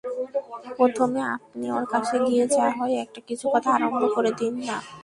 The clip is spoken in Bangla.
প্রথমে আপনি ওঁর কাছে গিয়ে যা-হয় একটা কিছু কথা আরম্ভ করে দিন-না।